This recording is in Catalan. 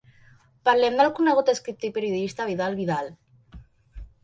Parlem del conegut escriptor i periodista Vidal Vidal.